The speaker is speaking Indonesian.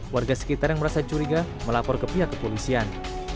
warga sekitar yang merasa curiga melapor ke pihak kepolisian